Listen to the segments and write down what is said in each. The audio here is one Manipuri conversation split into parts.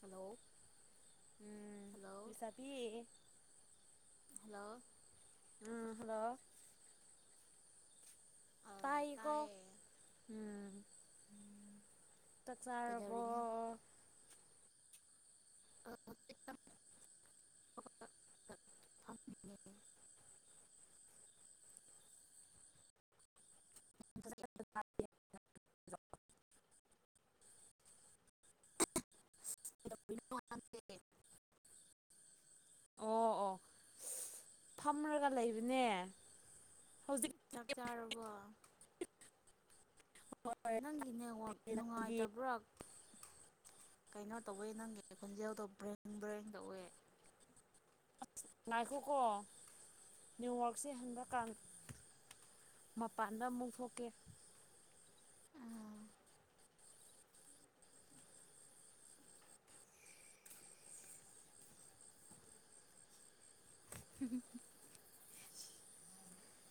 ꯍꯜꯂꯣ ꯍꯂꯣ ꯂꯤꯁꯥꯕꯤ ꯍꯜꯂꯣ ꯎꯝ ꯍꯜꯂꯣ ꯑ ꯇꯥꯏꯀꯣ ꯇꯥꯏꯌꯦ ꯎꯝ ꯆꯥꯛ ꯆꯥꯔꯕꯣ ꯀꯩꯗꯧꯔꯤꯅꯣ [inaudible] ꯐꯝꯃꯤꯅꯣ [inaudible] ꯑꯣ ꯑꯣ ꯐꯝꯔꯒ ꯂꯩꯕꯅꯦ ꯍꯧꯖꯤꯛ ꯆꯥꯛ ꯆꯥꯔꯕꯣ ꯅꯪꯒꯤ ꯅꯦꯠꯋꯥꯛ ꯅꯪꯒꯤ ꯅꯨꯡꯉꯥꯏꯇꯕ꯭ꯔꯥ ꯀꯩꯅꯣ ꯇꯧꯋꯦ ꯅꯪꯒꯤ ꯈꯣꯟꯖꯦꯜꯗꯣ ꯕ꯭ꯔꯦꯡ ꯕ꯭ꯔꯦꯡ ꯇꯧꯋꯦ ꯉꯥꯏꯈ‌ꯣꯀ‌ꯣ ꯅ‌ꯦꯠꯋꯥꯛꯁꯦ ꯍꯟꯗꯛꯀꯥꯟ ꯃꯄꯥꯟꯗ ꯑꯃꯨꯛ ꯊꯣꯛꯀꯦ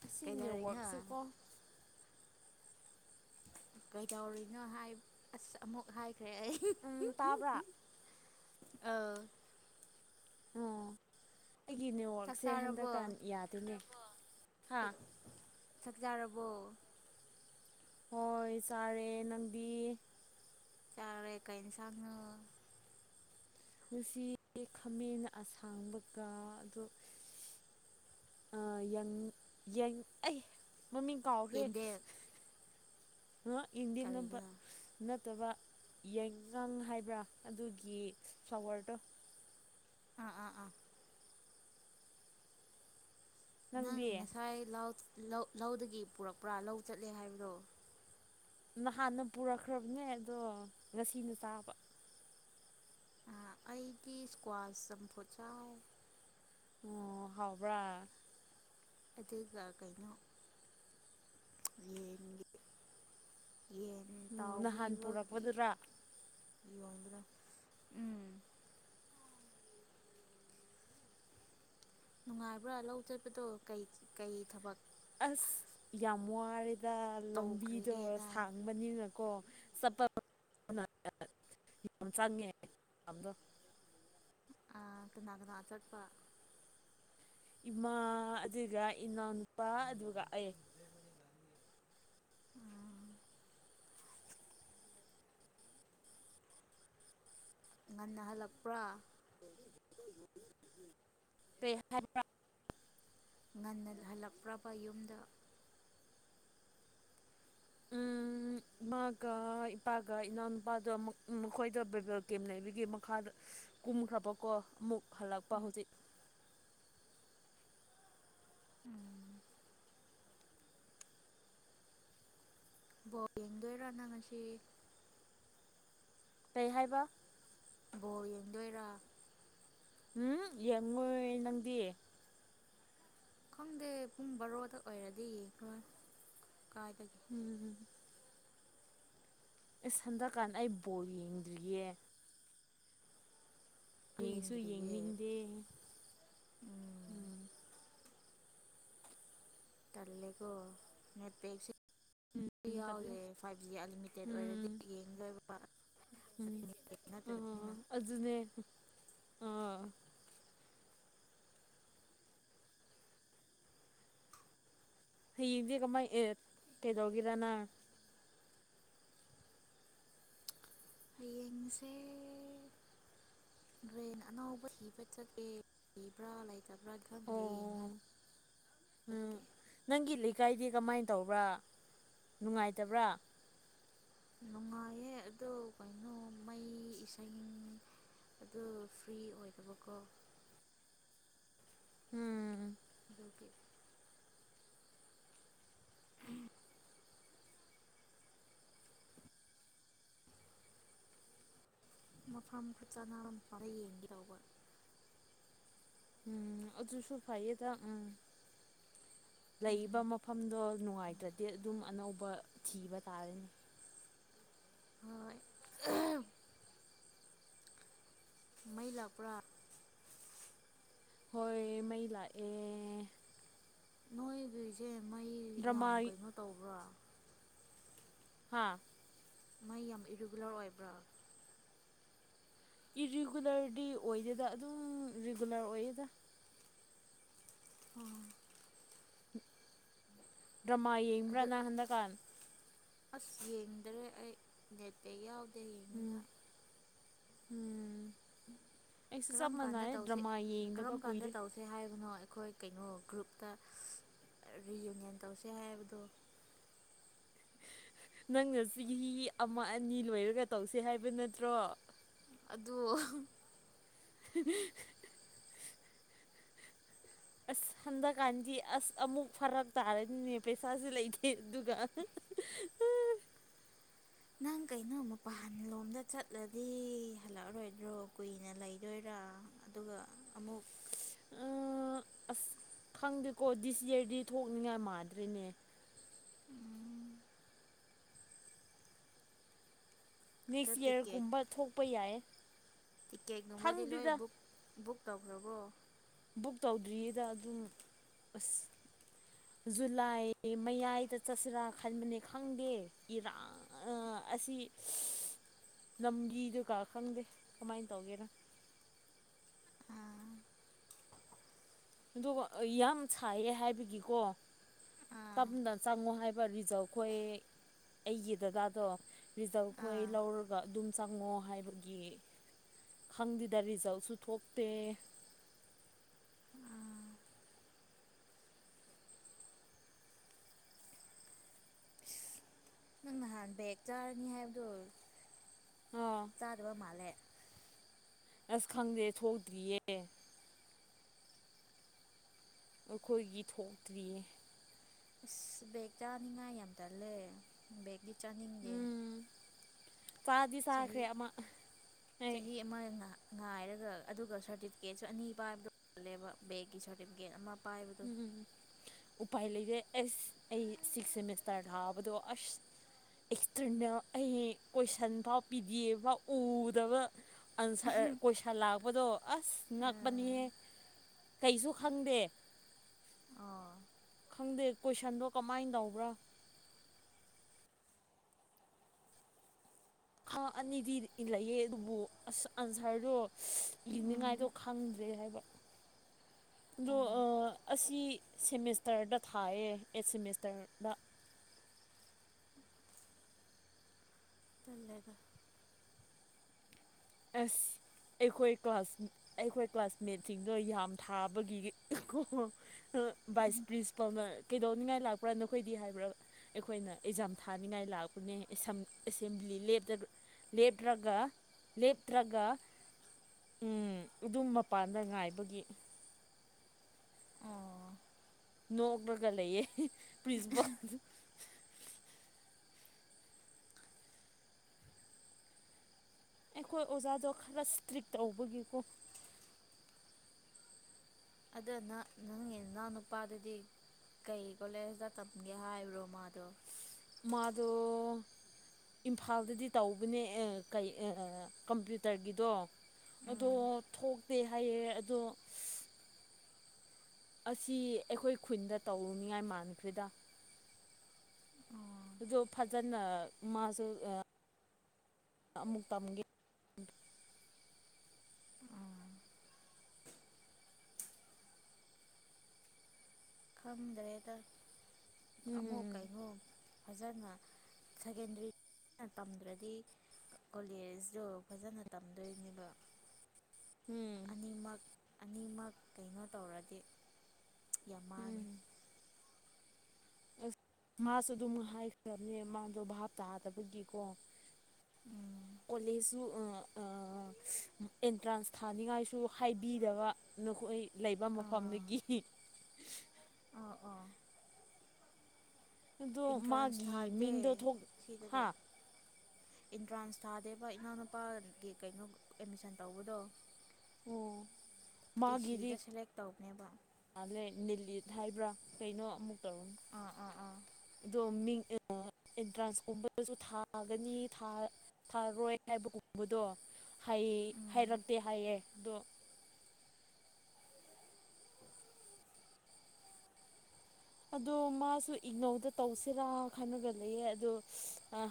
ꯑꯁꯤ ꯀꯩꯗꯧꯔꯤꯅ‌ꯣ ꯅꯦꯠꯋꯥꯛꯁꯦꯀꯣ ꯀꯩꯗꯧꯔꯤꯅꯣ ꯍꯥꯏ ꯑꯁ ꯑꯃꯨꯛ ꯍꯥꯏꯈ꯭ꯔꯦ ꯑꯩ ꯎꯝ ꯇꯥꯕ꯭ꯔꯥ ꯑꯧ ꯑꯣ ꯑꯩꯒꯤ ꯆꯥꯛ ꯅꯦꯠꯋꯥꯔ꯭ꯛꯁꯦ ꯆꯥꯔꯕꯣ ꯍꯟꯗꯛꯀꯥꯟ ꯌꯥꯗꯦꯅꯦ ꯇꯥꯔꯕ‌ꯣ ꯍꯥ ꯆꯥꯛ ꯆꯥꯔꯕꯣ ꯍꯣꯏ ꯆꯥꯔꯦ ꯅꯪꯗꯤ ꯆꯥꯔꯦ ꯀꯩ ꯏꯟꯁꯥꯡꯅ‌ꯣ ꯉꯁꯤ ꯈꯥꯃꯦꯟ ꯑꯁꯥꯡꯕꯒ ꯑꯗꯣ ꯑꯥ ꯌꯪ ꯌꯪ ꯑꯩ ꯃꯃꯤꯡ ꯌꯦꯟꯗ‌ꯦꯝ ꯑꯍ ꯌ‌ꯦꯟꯗ‌ꯦꯝ ꯅꯠꯕꯥ ꯀꯔꯤꯅꯣ ꯅꯠꯇꯕ ꯌꯥꯏꯉꯪ ꯍꯥꯏꯕ꯭ꯔꯥ ꯑꯗꯨꯒꯤ ꯐ꯭ꯂꯋꯔꯗꯣ ꯑꯥ ꯑꯥ ꯑꯥ ꯅꯪ ꯅꯪꯗꯤ ꯉꯁꯥꯏ ꯂꯥꯎ ꯂꯧ ꯂꯧꯗꯒꯤ ꯄꯨꯔꯛꯄ꯭ꯔꯥ ꯂꯧ ꯆꯠꯂꯦ ꯍꯥꯏꯕꯗꯣ ꯅꯍꯥꯟꯅ ꯄꯨꯔꯛꯈ꯭ꯔꯕꯅꯦ ꯑꯗꯣ ꯉꯁꯤꯅ ꯆꯥꯕ ꯑꯥ ꯑꯩꯒꯤ ꯏꯁꯀ꯭ꯋꯥꯁ ꯆꯝꯐꯨꯠ ꯆꯥꯏ ꯑꯣ ꯍꯥꯎꯕ꯭ꯔꯥ ꯑꯗꯨꯒ ꯀꯩꯅꯣ ꯌꯦꯟꯒꯤ ꯌꯦꯟ ꯎꯝ ꯅꯍꯥꯟ ꯇꯥꯎꯕꯤꯕꯒꯤ ꯄꯨꯔꯛꯄꯗꯨꯔꯥ ꯌꯣꯟꯕꯗ ꯎꯝ ꯅꯨꯡꯉꯥꯏꯕ꯭ꯔꯥ ꯂꯧ ꯆꯠꯄꯗꯣ ꯀꯩ ꯀꯩ ꯊꯕꯛ ꯑꯁ ꯌꯥꯝ ꯋꯥꯔꯦꯗ ꯂꯝꯕꯤꯗꯣ ꯇꯧꯈ꯭ꯔꯒꯦꯅ ꯁꯥꯡ ꯆꯪꯕꯅꯤꯅꯀꯣ ꯆꯠꯄ [unintelligible] ꯌꯥꯝ ꯆꯪꯉꯦ ꯑꯝꯗꯣ ꯑꯥ ꯀꯅꯥ ꯀꯅꯥ ꯆꯠꯄ ꯏꯃꯥ ꯑꯗꯨꯒ ꯏꯅꯥꯎꯅꯨꯄꯥ ꯑꯗꯨꯒ ꯑꯩ [unintelligible] ꯎꯝ ꯉꯟꯅ ꯍꯜꯂꯛꯄ꯭ꯔꯥ ꯍꯥꯏꯕ꯭ꯔꯥ ꯉꯟꯅ ꯍꯜꯂꯛꯄ꯭ꯔꯕ ꯌꯨꯝꯗ ꯎꯝ ꯏꯃꯥꯒ ꯏꯄꯥꯒ ꯏꯅꯥꯎꯅꯨꯄꯥꯗ ꯃꯈꯣꯏꯗ ꯕꯦꯕꯦꯜ ꯀꯦꯝ ꯂꯩꯕꯒꯤ ꯃꯈꯥꯗ ꯀꯨꯝꯈ꯭ꯔꯕꯀꯣ ꯑꯃꯨꯛ ꯍꯜꯂꯛꯄ ꯍꯧꯖꯤꯛ ꯎꯝ ꯕꯣꯜ ꯌꯦꯡꯗꯣꯏꯔꯥ ꯅꯪ ꯉꯁꯤ ꯀꯩ ꯍꯥꯏꯕ ꯕꯣꯜ ꯌꯦꯡꯗꯣꯏꯔꯥ ꯎꯝ ꯌꯦꯡꯉꯣꯏ ꯅꯪꯗꯤ ꯈꯪꯗꯦ ꯄꯨꯡ ꯕꯥꯔꯣꯗ ꯑꯣꯏꯔꯗꯤ ꯌꯦꯡꯈꯔꯣꯏ ꯀꯥꯏꯗꯒꯤ ꯎꯝ ꯑꯁ ꯍꯟꯗꯛꯀꯥꯟ ꯑꯩ ꯕꯣꯔ ꯌꯦꯡꯗ꯭ꯔꯤꯌꯦ ꯌꯦꯡꯁꯨ ꯌꯦꯡꯗ꯭ꯔꯤꯌꯦ ꯌꯦꯡꯅꯤꯡꯗꯦ ꯎꯝ ꯎꯝ ꯇꯜꯂꯦꯀꯣ [unintelligible] ꯁꯤ ꯎꯝ ꯇꯜꯂꯦ ꯌꯥꯎꯔꯦ ꯐꯥꯏꯚ ꯖꯤ ꯑꯟꯂꯤꯃꯤꯇꯦꯠ ꯑꯣꯏꯔꯗꯤ ꯎꯝ ꯌꯦꯡꯗꯣꯏꯕ ꯎꯝ ꯑꯥ [unintelligible] ꯑꯗꯨꯅꯦ ꯑꯣ ꯍꯌꯦꯡꯗꯤ ꯀꯃꯥꯏꯅ ꯑꯦ ꯀꯩꯗꯧꯒꯦꯔꯅ ꯍꯌꯦꯡꯁꯦ ꯕ꯭ꯔꯦꯟ ꯑꯅꯥꯎꯕ ꯊꯤꯕ ꯆꯠꯂꯦ ꯂꯩꯕ꯭ꯔꯥ ꯂꯩꯇꯕ꯭ꯔꯥ ꯈꯪꯗꯦ ꯑꯣ ꯎꯝ [unintelligible] ꯅꯪꯒꯤ ꯂꯩꯀꯥꯏꯗꯤ ꯀꯃꯥꯏꯅ ꯇꯧꯕ꯭ꯔꯥ ꯅꯨꯡꯉꯥꯏꯇꯕ꯭ꯔꯥ ꯅꯨꯡꯉꯥꯏꯌꯦ ꯑꯗꯨꯗ ꯀꯩꯅꯣ ꯃꯩ ꯏꯁꯥꯡ ꯑꯗꯨ ꯐ꯭ꯔꯤ ꯑꯣꯏꯗꯕꯀꯣ ꯎꯝ ꯑꯗꯨꯒꯤ ꯎꯝ ꯃꯐꯝ ꯈꯨꯔ [unintelligible] ꯐꯔ ꯌꯦꯡꯒꯦꯇꯧꯕ ꯎꯝ ꯑꯗꯨꯖꯁꯨ ꯐꯌꯦꯗ ꯎꯝ ꯂꯩꯕ ꯃꯐꯝꯗꯣ ꯅꯨꯡꯉꯥꯏꯇ꯭ꯔꯗꯤ ꯑꯗꯨꯝ ꯑꯅꯧꯕ ꯊꯤꯕ ꯇꯥꯔꯅꯦ ꯍꯣꯏ ꯃꯩ ꯂꯥꯛꯄ꯭ꯔꯥ ꯍꯣꯏ ꯃꯩ ꯂꯥ ꯑꯦ ꯅꯣꯏꯒꯤꯁꯦ ꯃꯩ ꯗ꯭ꯔꯃꯥ ꯌꯥꯝ ꯀꯩꯅꯣ ꯇꯧꯕ꯭ꯔꯥ ꯍꯥꯥ ꯃꯩ ꯌꯥꯝ ꯏꯔꯤꯒꯨꯂꯔ ꯑꯣꯏꯕ꯭ꯔꯥ ꯏꯔꯤꯒꯨꯂꯔꯗꯤ ꯑꯣꯏꯗꯦꯗ ꯑꯗꯨꯝ ꯔꯤꯒꯨꯂꯔ ꯑꯣꯏꯌꯦꯦꯗ ꯑꯣ ꯗ꯭ꯔꯃꯥ ꯑꯗꯨ ꯌꯦꯡꯕ꯭ꯔꯅ ꯍꯟꯗꯛꯀꯥꯟ ꯑꯁ ꯌꯦꯡꯗ꯭ꯔꯦ ꯑꯩ ꯅꯦꯠꯇ ꯌꯥꯎꯗꯦ ꯌꯦ ꯎꯝ ꯎꯝ ꯑꯩꯁꯨ ꯀꯔꯝ ꯆꯕ ꯃꯅꯥꯔꯦ ꯗ꯭ꯔꯃꯥ ꯌꯦꯡꯗꯕ ꯀꯨꯏꯔꯦ ꯁꯦ ꯍꯥꯏꯕꯅꯣ ꯑꯩꯈꯣꯏ ꯀꯩꯅꯣ ꯒ꯭ꯔꯨꯞꯇ ꯔꯤꯌꯨꯅꯤꯌꯟ ꯇꯧꯁꯦ ꯍꯥꯏꯕꯗꯣ ꯅꯪꯅ ꯆꯍꯤ ꯑꯃ ꯑꯅꯤ ꯂꯣꯏꯔꯒ ꯇꯧꯁꯦ ꯍꯥꯏꯕ ꯅꯠꯇ꯭ꯔꯣ ꯑꯗꯨ [inaudible] ꯑꯁ ꯍꯟꯗꯛꯀꯥꯟꯗꯤ ꯑꯁ ꯑꯃꯨꯛ ꯐꯔꯛ ꯇꯥꯔꯅꯤꯅꯦ ꯄꯩꯁꯥꯥꯁꯨ ꯂꯩꯇꯦ ꯑꯗꯨꯒ [inaudible] ꯅꯪ ꯀꯩꯅꯣ ꯃꯄꯥꯟꯂꯣꯝꯗ ꯆꯠꯂꯗꯤ ꯍꯜꯂꯛꯑꯔꯣꯏꯗ꯭ꯔꯣ ꯀꯨꯏꯅ ꯂꯩꯗꯣꯏꯔꯥ ꯑꯗꯨꯒ ꯑꯃꯨꯛ ꯑꯁ ꯈꯪꯗꯦꯀꯣ ꯗꯤꯁ ꯌꯔꯗꯤ ꯊꯣꯛꯅꯤꯡꯉꯥꯏ ꯃꯥꯥꯟꯗ꯭ꯔꯔꯤꯅꯦ ꯎꯝ ꯅꯦꯛꯁ ꯇꯤꯀꯦꯠ ꯌꯔꯒꯨꯝꯕ ꯊꯣꯛꯄ ꯌꯥꯏ ꯇꯤꯛꯀꯦꯠꯒꯨꯝꯕꯗꯤ ꯂꯣꯏ ꯈꯪꯗꯦꯗ ꯕꯨꯛ ꯕꯨꯛ ꯇꯧꯈ꯭ꯔꯕ꯭ꯔꯣ ꯕꯨꯛ ꯇꯧꯗ꯭ꯔꯤꯌꯦꯗ ꯑꯗꯨꯝ ꯑꯁ ꯖꯨꯂꯥꯏ ꯃꯌꯥꯏꯗ ꯆꯠꯁꯤꯔꯥ ꯈꯟꯕꯅꯤ ꯈꯪꯗꯦ ꯏꯔꯥꯡ ꯑꯁꯤ ꯂꯝꯒꯤꯗꯒꯥ ꯈꯪꯗꯦ ꯀꯃꯥꯏꯅ ꯇꯧꯒꯦꯔꯥ ꯑꯥ ꯑꯗꯨꯒ ꯌꯥꯝ ꯁꯥꯏꯌꯦ ꯍꯥꯏꯕꯒꯤꯀꯣ ꯑꯥ ꯇꯞꯅ ꯆꯪꯉꯣ ꯍꯥꯏꯕ [unintelligible] ꯑꯩꯒꯤ ꯗꯗꯥꯗꯣ ꯔꯤꯖꯜꯈꯣꯏ ꯑꯥ ꯂꯧꯔꯒ ꯑꯗꯨꯝ ꯆꯪꯉꯣ ꯍꯥꯏꯕꯒꯤ ꯈꯪꯗꯦꯗ ꯔꯤꯖꯜꯁꯨ ꯊꯣꯛꯇꯦ ꯑꯥ ꯅꯪ ꯅꯍꯥꯟ ꯕꯦꯛ ꯆꯥꯔꯅꯤ ꯍꯥꯏꯕꯗꯨꯣ ꯑꯥ ꯆꯥꯗꯕ ꯃꯥꯜꯂꯦ ꯑꯁ ꯈꯪꯗꯦ ꯊꯣꯛꯇ꯭ꯔꯤꯌꯦ ꯑꯩꯈꯣꯏꯒꯤ ꯊꯣꯛꯇ꯭ꯔꯤꯌꯦ ꯑꯁ ꯕꯦꯒ ꯆꯥꯅꯤꯡꯉꯥꯏ ꯌꯥꯝ ꯇꯜꯂꯦ ꯕꯦꯒꯗꯤ ꯆꯥꯅꯤꯡꯗꯦ ꯎꯝ ꯆꯥꯗꯤ ꯆꯍꯤ ꯆꯥꯈ꯭ꯔꯦ ꯑꯃ ꯑꯩ ꯆꯍꯤ ꯑꯃ ꯉꯥꯏꯔꯒ ꯑꯗꯨꯒ ꯁꯥꯔꯇꯤꯐꯤꯀꯦꯠꯁꯨ ꯑꯅꯤ ꯄꯥꯏꯕꯗꯣ [unintelligible] ꯕꯦꯛꯀꯤ ꯁꯔꯇꯤꯐꯤꯦꯠ ꯑꯃ ꯄꯥꯏꯕꯗꯣ ꯎꯝ ꯎꯄꯥꯏ ꯂꯩꯔꯦ ꯑꯁ ꯑꯩ ꯁꯤꯛꯁ ꯁꯦꯃꯤꯁꯇꯔ ꯊꯥꯕꯗꯣ ꯑꯁ ꯑꯦꯛꯇꯔꯅꯜ ꯑꯩ ꯀꯣꯏꯁꯟꯐꯥꯎ ꯄꯤꯗꯤꯑꯐ ꯐꯥꯎ ꯎꯗꯕ ꯑꯟꯁꯔ ꯀꯣꯏ [unintelligible] ꯂꯥꯛꯄꯗꯣ ꯑꯁ ꯉꯛꯄꯅꯤꯍꯦ ꯀꯩꯁꯨ ꯈꯪꯗꯦ ꯑꯣ ꯈꯪꯗꯦ ꯀꯣꯏꯁꯟꯗꯣ ꯀꯃꯥꯏꯅ ꯇꯧꯕ꯭ꯔꯥ [unintelligible] ꯑꯅꯤꯗꯤ ꯂꯩꯌꯦ ꯑꯗꯨꯕꯨ ꯑꯁ ꯑꯟꯁꯔꯗꯣ ꯎꯝ ꯏꯅꯤꯡꯉꯥꯏꯗꯣ ꯈꯪꯗ꯭ꯔꯦ ꯍꯥꯏꯕ [inaudible] ꯑꯗꯣ ꯑꯣ ꯑꯁꯤ ꯁꯦꯃꯦꯁꯇꯔꯗ ꯊꯥꯏꯌꯦ ꯑꯩꯠ ꯁꯦꯃꯦꯁꯇꯔꯗ ꯇꯜꯂꯦꯗꯥ ꯑꯁ ꯑꯩꯈꯣꯏ ꯀ꯭ꯂꯥꯁ ꯑꯩꯈꯣꯏ ꯀ꯭ꯂꯥꯁꯃꯦꯠꯁꯤꯡꯗꯣ ꯌꯥꯝ ꯊꯥꯕꯒꯤ ꯚꯥꯏꯁ ꯄ꯭ꯔꯤꯟꯁꯤꯄꯥꯜꯅ ꯀꯩꯗꯧꯅꯤꯡꯉꯥꯏ ꯂꯥꯛꯄ꯭ꯔꯥ ꯅꯈꯣꯏꯗꯤ ꯍꯥꯏꯕ꯭ꯔꯥ ꯑꯩꯈꯣꯏꯅ ꯑꯦꯛꯖꯥꯝ ꯊꯥꯅꯤꯡꯉꯥꯏ ꯂꯥꯛꯄꯅꯦ ꯑꯦꯁꯦꯝꯕ꯭ꯂꯤ ꯂꯦꯞꯇꯒ ꯂꯦꯞꯔꯒ ꯂꯦꯞꯇ꯭ꯔꯒ ꯑꯗꯨꯝ ꯃꯄꯥꯟꯗ ꯉꯥꯏꯕꯒꯤ ꯑꯣ ꯅꯣꯛꯂꯒ ꯂꯩꯌꯦ ꯄ꯭ꯔꯤꯟꯁꯤꯄꯥꯜ ꯑꯩꯈꯣꯏ ꯑꯣꯖꯥꯗꯣ ꯈꯔ ꯏꯁꯇ꯭ꯔꯤꯛ ꯇꯧꯕꯒꯤꯀꯣ ꯑꯗꯨꯅ ꯅꯪꯒꯤ ꯅꯅꯥꯎ ꯅꯨꯄꯥꯗꯨꯗꯤ ꯀꯩ ꯀꯣꯂꯦꯖꯇ ꯇꯝꯒꯦ ꯍꯥꯏꯕ꯭ꯔꯣ ꯃꯥꯗꯣ ꯃꯥꯗꯣ ꯏꯝꯐꯥꯜꯗꯗꯤ ꯇꯧꯕꯅꯦ ꯑꯦ ꯀꯩ ꯑ ꯀꯝꯄ꯭ꯌꯨꯇꯔꯒꯤꯗꯣ ꯑꯗꯣ ꯊꯣꯛꯇꯦ ꯍꯥꯏꯌꯦ ꯑꯗꯣ ꯑꯁꯤ ꯑꯩꯈꯣꯏ ꯈꯨꯟꯗ ꯇꯧꯔꯨꯅꯤꯉꯥꯏ ꯃꯥꯟꯈ꯭ꯔꯦꯗ ꯑꯗꯣ ꯐꯖꯅ ꯃꯥꯁꯨ ꯑ ꯑꯃꯨꯛ ꯇꯝꯒꯦ ꯈꯪꯗ꯭ꯔꯦꯗ ꯑꯃꯨꯛ ꯎꯝ ꯀꯩꯅꯣ ꯐꯖꯅ ꯁꯦꯀꯦꯟꯗꯔꯤꯅ ꯇꯝꯗ꯭ꯔꯗꯤ ꯀꯣꯂꯦꯖꯇꯣ ꯐꯖꯅ ꯇꯝꯗꯣꯏꯅꯦꯕ ꯍꯝ ꯅꯤꯃꯛ ꯑꯅꯤꯃꯛ ꯀꯩꯅꯣ ꯇꯧꯔꯗꯤ ꯌꯥꯝ ꯃꯥꯡꯉꯤ ꯎꯝ ꯑꯁ ꯃꯥꯁꯨ ꯑꯗꯨꯝ ꯍꯥꯏꯈ꯭ꯔꯕꯅꯦ ꯃꯥꯗꯣ ꯚꯥꯞ ꯇꯥꯗꯕꯒꯤꯀꯣ ꯎꯝ ꯀꯣꯂꯦꯖꯁꯨ ꯑ ꯑꯦꯟꯇ꯭ꯔꯥꯟꯁ ꯊꯥꯅꯤꯡꯉꯥꯏꯁꯨ ꯍꯥꯏꯕꯤꯗꯕ ꯅꯈꯣꯏ ꯂꯩꯕ ꯃꯐꯝꯗꯨꯒꯤ ꯑ ꯑ ꯑꯗꯣ ꯏꯟꯇ꯭ꯔꯥꯟꯁ ꯃꯥꯒꯤ ꯊꯥꯗꯦ ꯃꯤꯡꯗꯣ ꯊꯣꯛ ꯍꯥ ꯁꯤꯗꯗꯤ ꯏꯟꯇ꯭ꯔꯥꯟꯁ ꯊꯥꯗꯦꯕ ꯏꯅꯥꯎꯅꯨꯄꯥꯒꯤ ꯀꯩꯅꯣ ꯑꯦꯠꯃꯤꯁꯟ ꯇꯧꯕꯗꯣ ꯑꯣ ꯄꯤ ꯃꯥꯒꯤꯗꯤ ꯁꯤꯗ ꯁꯦꯂꯦꯛ ꯇꯧꯕꯅꯦꯕ ꯃꯥꯜꯂꯦ ꯅꯤꯂꯤꯠ ꯍꯥꯏꯕ꯭ꯔꯥ ꯀꯩꯅꯣ ꯑꯃꯨꯛ ꯇꯧꯔꯨ ꯑ ꯑ ꯑ ꯑꯗꯣ ꯃꯤꯡ ꯏꯟꯇ꯭ꯔꯥꯟꯁꯀꯨꯝꯕꯗꯁꯨ ꯊꯥꯒꯅꯤ ꯊꯥ ꯊꯥꯔꯣꯏ ꯍꯥꯏꯕꯒꯨꯝꯕꯗꯣ ꯍꯥꯏ ꯎꯝ ꯍꯥꯏꯔꯛꯇꯦ ꯍꯥꯏꯌꯦ ꯑꯗꯣ ꯑꯗꯣ ꯃꯥꯁꯨ ꯏꯛꯅꯧꯗ ꯇꯧꯁꯤꯔꯥ ꯈꯅꯒ ꯂꯩꯌꯦ ꯑꯗꯣ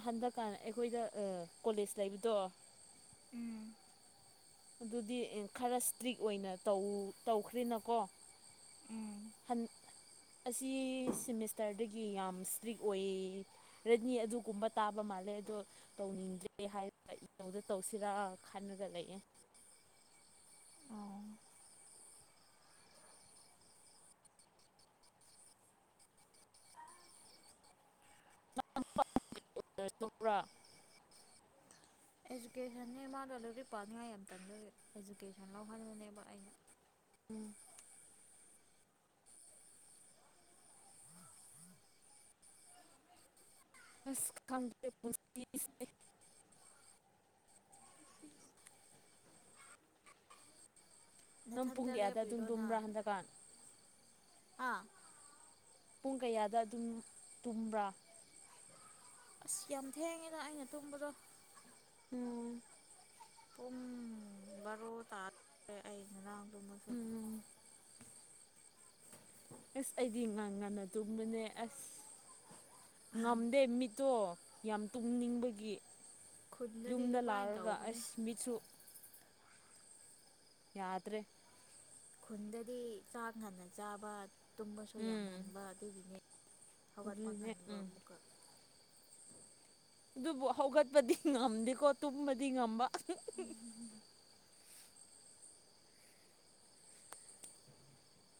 ꯍꯟꯗꯛ ꯀ ꯑꯩꯈꯣꯏꯗ ꯑ ꯀꯣꯂꯦꯖ ꯂꯩꯕꯗꯣ ꯎꯝ ꯑꯗꯨꯗꯤ ꯈꯔ ꯏꯁꯇ꯭ꯔꯤꯛ ꯑꯣꯏꯅ ꯇꯧ ꯇꯧꯈ꯭ꯔꯦꯅꯀꯣ ꯎꯝ ꯍꯟ ꯑꯁꯤ ꯁꯦꯃꯤꯁꯇꯔꯗꯒꯤ ꯌꯥꯝ ꯏꯁꯇ꯭ꯔꯤꯛ ꯑꯣꯏꯌꯦꯌꯦ ꯔꯦꯠꯅꯤ ꯑꯗꯨꯒꯨꯝꯕ ꯇꯥꯕ ꯃꯥꯜꯂꯦ ꯑꯗꯣ ꯇꯧꯅꯤꯡꯗ꯭ꯔꯦ ꯍꯥꯏꯔ ꯏꯛꯅꯧꯗ ꯇꯧꯁꯤꯔꯥ ꯈꯜꯂꯒ ꯂꯩꯑꯦ ꯑꯣ [unintelligible] ꯏꯖꯨꯀꯦꯁꯟꯅꯦ ꯃꯥꯗꯣ ꯂꯥꯏꯔꯤꯛ ꯄꯥꯅꯤꯡꯉꯥꯏ ꯌꯥꯝ ꯇꯟꯕꯒꯤ ꯏꯖꯨꯀꯦꯁꯟ ꯂꯧꯍꯟꯕꯅꯦꯕ ꯑꯩꯅ ꯎꯝ ꯑꯁ ꯈꯪ ꯄꯨꯟ ꯁꯦ ꯅꯪ ꯄꯨꯡ ꯅꯊꯟꯇ ꯀꯌꯥꯗ ꯑꯗꯨꯝ ꯂꯦꯞꯄꯤꯔꯣ ꯅ ꯇꯨꯝꯕ꯭ꯔꯥ ꯍꯟꯗꯛꯀꯥꯟ ꯑꯥ ꯄꯨꯡ ꯀꯌꯥꯗ ꯑꯗꯨꯝ ꯇꯨꯝꯕ꯭ꯔꯥ ꯑꯁ ꯌꯥꯝ ꯊꯦꯡꯉꯦꯗ ꯑꯩꯅ ꯇꯨꯝꯕꯗꯣ ꯎꯝ ꯄꯨꯡ ꯕꯥꯔꯣ ꯇꯥ ꯔꯦ ꯑꯩ ꯉꯔꯥꯡ ꯇꯨꯝꯕꯗꯣ ꯎꯝ ꯑꯁ ꯑꯩꯗꯤ ꯉꯟ ꯉꯟꯅ ꯇꯨꯝꯕꯅꯦ ꯑꯁ ꯉꯝꯗꯦ ꯃꯤꯠꯇꯣ ꯌꯥꯝ ꯇꯨꯝꯅꯤꯡꯕꯒꯤ ꯈꯨꯟꯗꯗꯤ ꯌꯨꯝꯗ ꯑꯗꯨꯃꯥꯏꯅ ꯂꯥꯛꯔꯒ ꯇꯧꯕꯅꯦ ꯑꯁ ꯃꯤꯠꯁꯨ ꯌꯥꯗ꯭ꯔꯦ ꯈꯨꯟꯗꯗꯤ ꯆꯥꯛ ꯉꯟꯅ ꯆꯥꯕ ꯇꯨꯝꯕꯁꯨ ꯌꯥꯝ ꯎꯝ ꯉꯥꯟꯕ ꯑꯗꯨꯒꯤꯅꯦ ꯍꯧꯒꯠꯄꯥ ꯑꯗꯨꯅꯦ ꯉꯟꯕ ꯎꯝ ꯑꯃꯨꯛꯀ ꯑꯗꯨꯕꯨ ꯍꯧꯒꯠꯄꯗꯤ ꯉꯝꯗꯦꯀꯣ ꯇꯨꯝꯕꯗꯤ ꯉꯝꯕ [inaudible]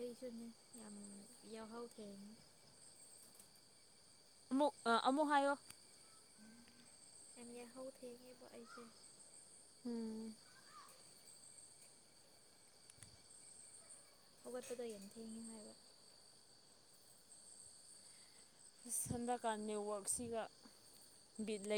ꯑꯩꯁꯨꯅꯤ ꯌꯥꯝ ꯌꯥꯎꯍꯧ ꯊꯦꯡꯉꯤ ꯑꯃꯨꯛ ꯑꯃꯨꯛ ꯍꯥꯏꯌꯣ ꯌꯥꯝ ꯌꯥꯏꯍꯧ ꯊꯦꯡꯉꯦꯕ ꯑꯩꯁꯦ ꯎꯝ ꯍꯧꯋꯥꯠꯄꯗꯣ ꯌꯥꯝ ꯊꯦꯡꯉꯦ ꯍꯥꯏꯕ ꯍꯟꯗꯛꯀꯥꯟ ꯅꯦꯠꯋꯛꯁꯤꯒ ꯕꯤꯠ ꯂꯩ